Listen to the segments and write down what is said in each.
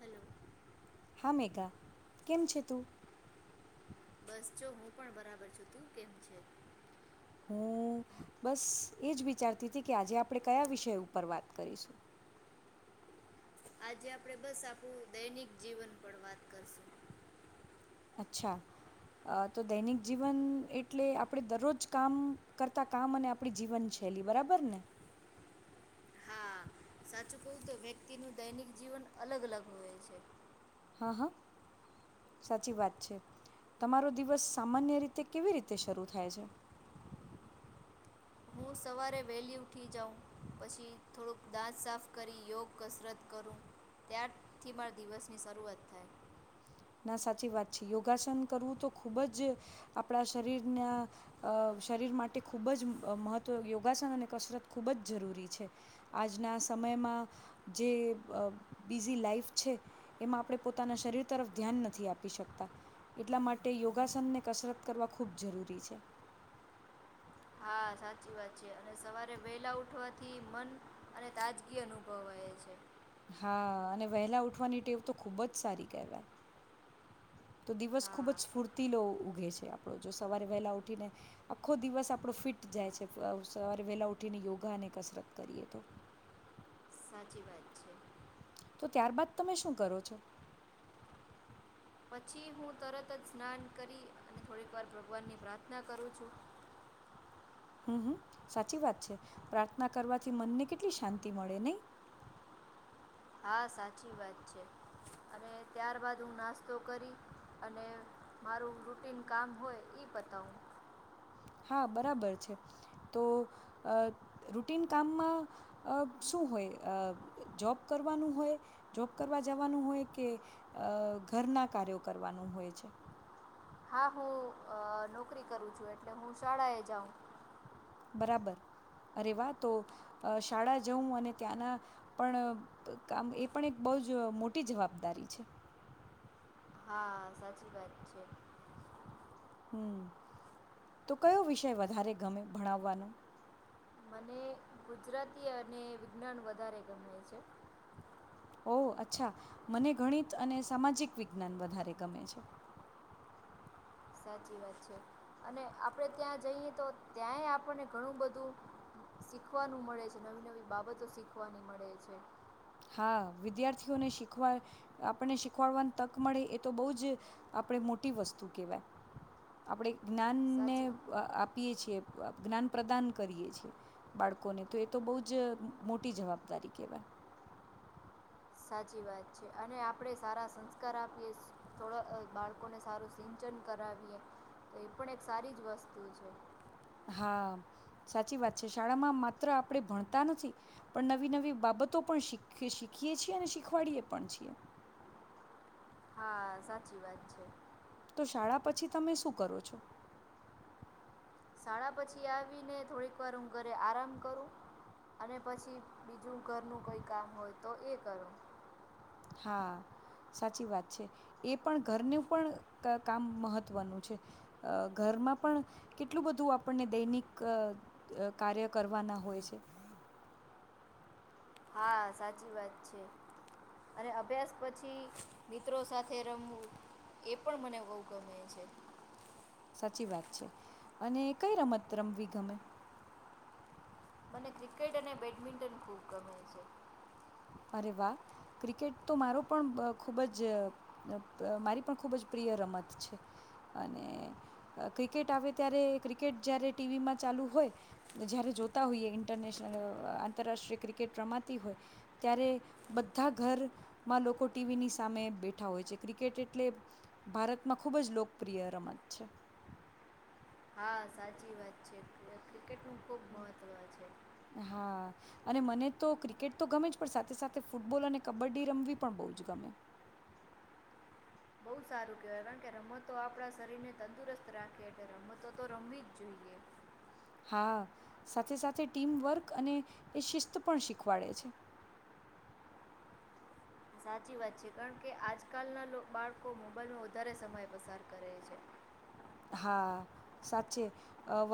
Hello હા મેગા કેમ છે તું? બસ જો હું પણ બરાબર છું. તું કેમ છે? હું બસ એજ વિચારતી હતી કે આજે આપણે કયા વિષય ઉપર વાત કરીશું. આજે આપડે બસ આપું દૈનિક જીવન પર વાત કરશું. અચ્છા તો દૈનિક જીવન એટલે આપણેે દરરોજ કામ કરતા કામ અને આપડી જીવન શૈલી બરાબર ને. હા સાચું કવું તો વ્યક્તિ નું દૈનિક જીવન અલગ-અલગ હોય છે. હા હા સાચી વાત છે. તમારો દિવસ સામાન્ય રીતે કેવી રીતે શરૂ થાય છે? હું સવારે વહેલી ઉઠી જાઉં પછી થોડુંક દાંત સાફ કરી યોગ કસરત કરું ત્યારથી મારા દિવસની શરૂઆત થાય. ના સાચી વાત છે. યોગાસન કરવું તો ખૂબ જ આપણા શરીરના અ શરીર માટે ખૂબ જ મહત્ત્વ યોગાસન અને કસરત ખૂબ જ જરૂરી છે આજના સમયમાં જે અ બીઝી લાાઈફ છે એમાં આપણે પોતાના શરીર તરફ ધ્યાન નથી આપી શકતા એટલા માટે યોગાસનને કસરત કરવા ખૂબ જરૂરી છે. હા સાચી વાત છે અને સવારે વેલા ઉઠવાથી મન અને તાજગી અનુભવાય છે. હા અને વહેલા ઉઠવાની ટેવ તો ખૂબ જ સારી કહેવાય તો દિવસ ખુબ હા જ સ્ફૂર્તીલો ઉઘે છે આપણો જો સવારે વહેલા ઉઠીને આખો દિવસ આપણો ફિટ જાય છે સવારે વહેલા ઉઠીને યોગા અને કસરત કરીએ તો. સાચી વાત છે. તો ત્યારબાદ તમે શું કરો છો? પછી હું તરત જ સ્નાન કરી અને થોડીક વાર ભગવાનની પ્રાર્થના કરું છું. હમ હમ સાચી વાત છે પ્રાર્થના કરવાથી મનને કેટલી શાંતિ મળે નઈ. હા સાચી વાત છે. અને ત્યાર બાાદ હું નાસ્તો કરી અને મારું રૂટીન કામ હોય ઈ પતાવું. હા બરાબર છે. તો અ રુટીન કામમાં અ શું હોય અ જોબ કરવાનું હોય જોબ કરવા જવાનું હોય કે અ ઘરના કાર્યો કરવાનું હોય છે? હા હું નોકરી કરું છું. એટલે હું શાળાએ જાઉ. બરાબર અરે વાહ તો શાળા જઉં અને ત્યાંના પણ કામ એ પણ એક બહુ જ મોટી જવાબદારી છે. હા સાચી વાત છે. હમ તો કયો વિષય વધારે ગમે ભણાવવાનો? મને ગુજરાતી અને વિજ્ઞાન વધારે ગમે છે. ઓ અચ્છા મને ગણિત અને સામાજિક વિજ્ઞાન વધારે ગમે છે. સાચી વાત છે. અને આપડે ત્યાં જઈએ તો ત્યાંય આપણને ઘણું બધું શીખવાનું મળે છે. નવી નવી બાબતો શીખવાની મળે છે. હા વિદ્યાર્થીઓને શીખવા આપણને શીખવાડવાની તક મળે એ તો બહુ જ આપણેે મોટી વસ્તુ કેહેવાય આપડે જ્ઞાનને સાચી આપીએ છીએ. જ્ઞાન પ્રદાન કરીએ છીએ બાળકોને તો એ તો બહુ જ મોટી જવાબદારી કેહેવાય. સાચી વાત છે. અને આપણેે સારા સંસ્કાર આપીએ થોડા બાળકોને સારું સિંચન કરાવીએ તો એ પણ એક સારી જ વસ્તુ છે. હા સાચી વાત છે. શાળામાં માત્ર આપણે ભણતા નથી પણ નવી નવી બાબતો પણ શીખ શીખીએ છીએ અને શીખવાડીએ પણ છીએ. હા સાચી વાત છે. તો શાળા પછી તમે શું કરો છો. શાળા પછી આવીને થોડીક વાર હું ઘરે આરામ કરુ અને પછી બીજુ ઘરનું કોઈ કામ હોય તો એ કરુ. હા સાચી વાત છે. એ પણ ઘરનું પણ કામ મહત્વનું છે. અ ઘરમાં પણ કેટલું બધું આપણને દૈનિક કાર્ય કરવાના હોય છે. હા સાચી વાત છે. અને અભ્યાસ પછી મિત્રો સાથે રમવું એ પણ મને બહુ ગમે છે. સાચી વાત છે. અને કઈ રમત રમવી ગમે મને ક્રિકેટ અને બેડમિન્ટન ખૂબ ગમે છે. અરે વાહ ક્રિકેટ તો મારો પણ ખૂબ જ મારી પણ ખૂબ જ પ્રિય રમત છે. અને ક્રિકેટ આવે ત્યારે ક્રિકેટ જારે ટીવીમાં ચાલુ હોય જયારે જોતા હોઈએ ઇન્ટરનેશનલ આંતરરાષ્ટ્રીય ક્રિકેટ રમાતી હોય ત્યારે બધા ઘરમાં લોકો ટીવીની સામે બેઠા હોય છે. ક્રિકેટ એટલે ભારતમાં ખૂબ જ લોકપ્રિય રમત છે. હા સાચી વાત છે. ક્રિકેટ નું ખુબ મહત્વ છે. હા અને મને તો ક્રિકેટ તો ગમે જ પણ સાથે સાથે ફૂટબોલ અને કબડ્ડી રમવી પણ બહુ જ ગમે. બહુ સારું કેહેવાય કારણ કે રમતો આપણા શરીર ને તંદુરસ્ત રાખીએ એટલે રમતો તો રમવી જ જોઈએ. હા સાથે સાથે ટીમવર્ક અને એ શિસ્ત પણ શીખવાડે છે. સાચી વાત છે. કારણ કે આજકાલના લોકો બાળકો મોબાઈલમાં વધારે સમય પસાર કરે છે. હા સાચે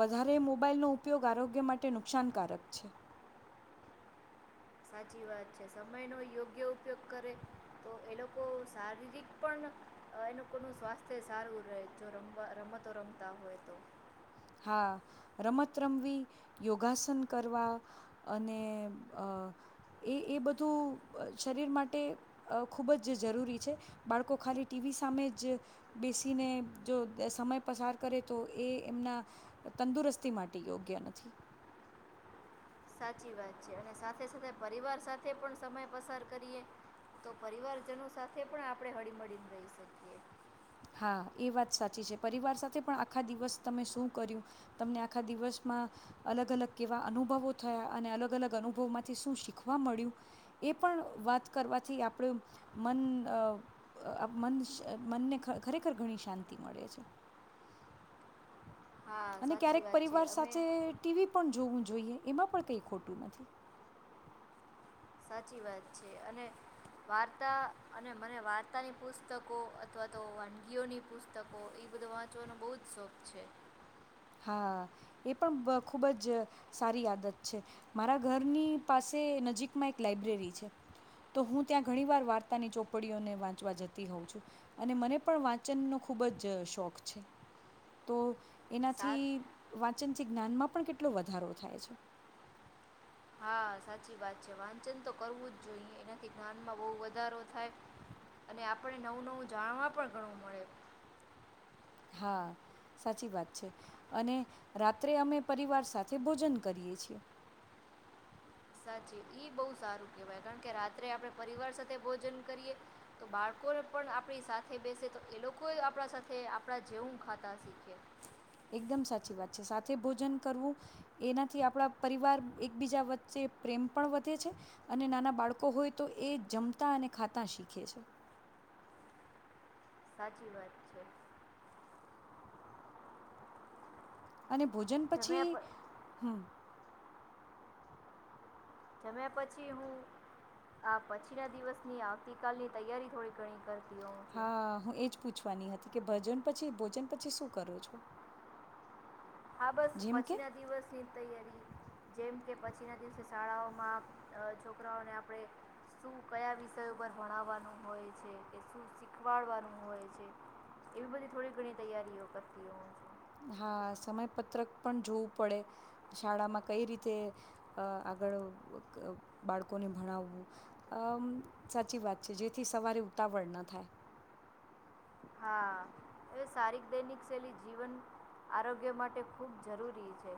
વધારે મોબાઈલનો ઉપયોગ આરોગ્ય માટે નુકસાનકારક છે. સાચી વાત છે. સમય નો યોગ્ય ઉપયોગ કરે તો એ લોકો શારીરિક પણ એ લોકોનું સ્વાસ્થ્ય સારું રહે જો રમ રમતો રમતા હોય તો. હા રમત રમવી યોગાસન કરવા અને એ એ બધું શરીર માટે ખૂબ જ જરૂરી છે, બાળકો ખાલી ટીવી સામે જ બેસીને જો સમય પસાર કરે તો એ એમના તંદુરસ્તી માટે યોગ્ય નથી સાચી વાત છે, અને સાથે સાથે પરિવાર સાથે પણ સમય પસાર કરીએ તો પરિવારજનો સાથે પણ આપણે હળીમળીને રહી શકીએ હા એ વાત સાચી છે, પરિવાર સાથે પણ આખા દિવસ તમે શું કર્યું તમને આખા દિવસમાં અલગ અલગ કેવા અનુભવો થયા અને અલગ અલગ અનુભવમાંથી શું શીખવા મળ્યું એ પણ વાત કરવાથી આપડું મન મન મનને ખરેખર ઘણી શાંતિ મળે છે. હા અને સાચી ક્યારેક વાત છે પરિવાર અમે સાથે ટીવી પણ જોવું છે. [inaudible] જોઈએ એમાં પણ કંઈ ખોટું નથી સાચી વાત છે, અને વાર્તા અને મને વાર્તાની પુસ્તકો અથવા તો વાનગીઓની પુસ્તકો એ બધો વાંચવાનો બહુ જ શોખ છે. હા એ પણ ખુબ જ સારી આદત છે, મારા ઘરની પાસે નજીકમાં એક લાઈબ્રેરી છે, તો હું ત્યાં ઘણી વાર વાર્તાની ચોપડીઓને વાંચવા જતી હોઉં છું અને મને પણ વાંચનનોો ખુબ જ શોખ છે, તો સાર થી વા ચચથી જ્ઞાનમાં પણ કેટલો વધારો થાય છે. હા સાચી વાત છે, વાંચન તો કરવું જ જોઈએ એનાથી જ્ઞાનમાં બહુ વધારો થાય, અને આપણને નવું-નવું જાણવા પણ ઘણું મળે. હા સાચી વાત છે, અને રાત્રે અમે પરિવાર સાથે ભોજન કરીએ છીએ. [unintelligible] ઈ બહું સારું કેવાય કારણ કે રાત્રે આપણે પરિવાર સાથે ભોજન કરીએ તો બાળકોને પણ આપણી સાથે બેસે તો એ લોકો એ આપણા સાથે આપડા જેવું ખાતા શીખીએ. એકદમ સાચી વાત છે, સાથે ભોજન કરવું એનાથી આપણા પરિવાર એકબીજા વચ્ચે પ્રેમ પણ વધે છે, અને નાના બાળકો હોય તો એ જમતા અને ખાતા શીખે છે. સાચી વાત છે. અને ભોજન જમ્યા પછી પ હમ્મ જમ્યા પછી હું આ પછી ના દિવસની આવતી કાલની તૈયારી થોડી ઘણી કરતી હોય. હા હું એજ પૂછવાની હતી, કે ભજન પછી ભોજન પછી શું કરો છો? હા બસ જેમ પછી કે ના દિવસ ની તૈયારી જેમ કે પછીના દિવસે શાળાઓમાં અહ છોકરાઓને આપણે શું કયા વિષય ઉપર ભણાવવાનું હોય છે, કે શું શીખવાડવાનું હોય છે, એવી બધી થોડી ઘણી તૈયારીઓ કરતી હોઉ છું. હા સમયપત્રક પણ જોવું પડે, શાળામાં કઈ રીતે અહ આગળ ક બાળકોને ભણાવવું, અમ સાચી વાત છે. જેથી સવારે ઉતાવળ ન થાય. હા એ સારીક દૈનિક શૈલી જીવન આરોગ્ય માટે ખૂબ જરૂરી છે.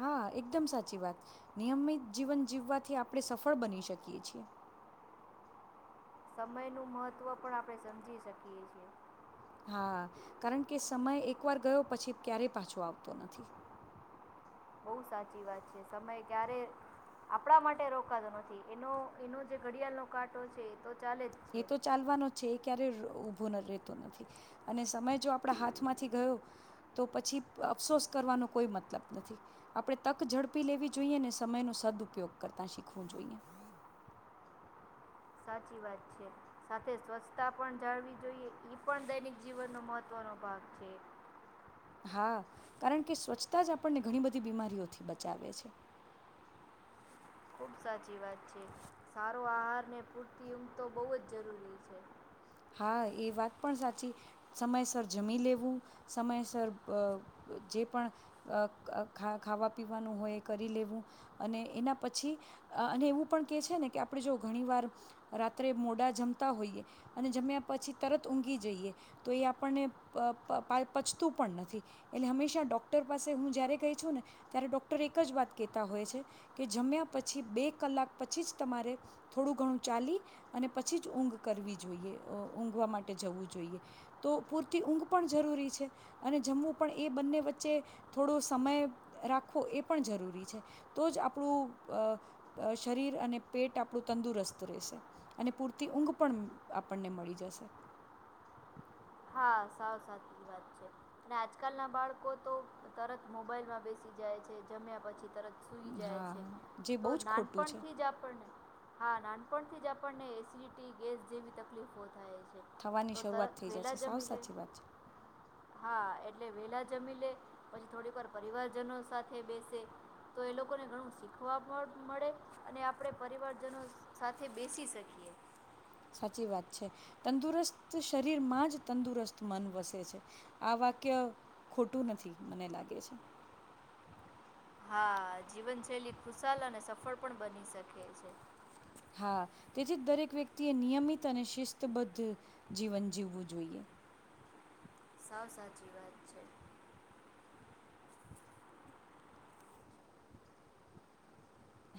હા એકદમ સાચી વાત. નિયમિત જીવન જીવવાથી આપણે સફળ બની શકીએ છીએ. સમય નું મહત્વ પણ આપણે સમજી શકીએ છીએ. હા કારણ કે સમય એકવાર ગયો પછી ક્યારેય પાછો આવતો નથી. બહુ સાચી વાત છે. સમય ક્યારે આપણા માટે રોકાતો નથી, એનો એનો જે ઘડિયાળનો કાંટો છે તો ચાલે જ એ છે તો ચાલવાનો છે એ ક્યારે રો રો ભૂ ન રહેતો નથી અને સમય જો આપણા હાથમાંથી ગયો તો પછી અફસોસ કરવાનો કોઈ મતલબ નથી. આપડે તક ઝડપી લેવી જોઈએ ને સમય નો સદઉપપયોગ કરતા શીખવું જોઈએ. સાચી વાત છે સાથે સ્વચ્છતા પણ જાળવી જોઈએ. ઈ પણ દૈનિક જીવનનો મહત્વનો ભાગ છે. હા કારણ કે સ્વચ્છતા જ આપણને ઘણી બધી બીમારીઓથી બચાવે છે. ખુબ સાચી વાત છે. સારો આહાર ને પૂરતી ઊંઘતો બહુ જ જરૂરી છે. હા એ વાત પણ સાચી સમયસર જમી લેવું સમયસર અ જે પણ અ ખાવા પીવાનું હોય કરી લેવું અને એના પછી અને એવું પણ કે છે, ને કે આપણેે જો ઘણી વાર રાત્રે મોડા જમતા હોઈએ અને જમ્યા પછી તરત ઊંઘી જઈએ. તો એ આપણને પ પચતું પણ નથી. એટલે હંમેશા ડૉક્ટર પાસે હું જ્યારે કઈ છું ને ત્યારે ડૉક્ટર એક જ વાત કહેતા હોય છે. કે જમ્યા પછી બે કલાક પછી જ તમારે થોડું ઘણું ચાલી અને પછી જ ઊંઘ કરવી જોઈ જોઈએ અ ઊંઘવા માટે જવું જોઈએ તો પૂરતી ઊંઘ પણ જરૂરી છે. અને જમવું પણ એ બંને વચ્ચે થોડો સમય રાખવો એ પણ જરૂરી છે. તો જ આપણું અ અ શરીર અને પેટ આપણું તંદુરસ્ત રહેશે. અને પૂરતી ઊંઘ પણ આપણને મળી જશે. હા સાવ સાચી વાત છે. અને આજકાલ ના બાળકો તો તરત મોબાઈલમાં બેસી જાય છે. જમ્યા પછી તરત સુઈ જાય હા છે. જે તો બહુ જ ખોટું છે નાનપણથી જ આપણને હા નાનપણથી જ આપણને એસિડિટી ગેસ જેવી તકલીફો થાય છે. થવાની તો શરૂઆત તરત થઈ એ જ્યાં વહેલા છે, સાવ જમી લે સાચી વાત છે. હા, એટલે વહેલા જમી લે, પછી થોડીક વાર પરિવારજનો સાથે બેસે, તો એ લોકોને ઘણું શીખવા પણ મળે અને આપણે પરિવારજનો સાથે બેસી શકીએ. સાચી વાત છે. તંદુરસ્ત શરીરમાં જ તંદુરસ્ત મન વસે છે. આ વાક્ય ખોટું નથી, મને લાગે છે. હા, જીવનશૈલી ખુશાલ અને સફળ પણ બની શકે છે. હા, તેથી જ દરેક વ્યક્તિએ નિયમિત અને શિસ્તબદ્ધ જીવન જીવવું જોઈએ. સાવ સાચી વાત છે.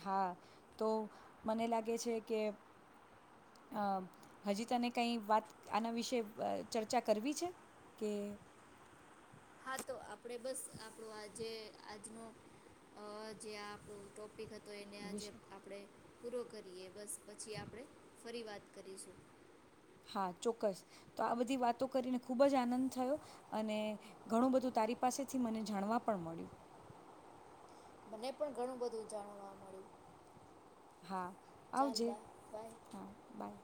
હા તો મને લાગે છે કે, અ હજી તને કઈ વાત આના વિશે અ ચર્ચા કરવી છે કે હા તો આપડે બસ આપણો આજે આજનો અહ જે આ ટોપિક હત તો એને આજેે વિશે આપણે પૂરો કરીએ બસ. પછી આપણે ફરી વાત કરીશું. હા, ચોક્કસ તો આ બધી વાતો કરીને ખૂબ જ આનંદ થયો. અને ઘણું બધું તારી પાસેથી મને જાણવા પણ મળ્યું. મને પણ ઘણું બધું જાણવા મળ્યું. હા ચાલ આવજે. બાય બાય હા બાય.